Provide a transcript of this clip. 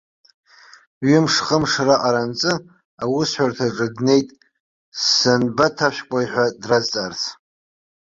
Ҩымш-хымш раҟара анҵы, аусҳәарҭаҿы днеит санбаҭашәкуеи ҳәа дразҵаарц.